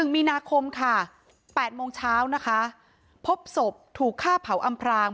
มีนาคมค่ะ๘โมงเช้านะคะพบศพถูกฆ่าเผาอำพราง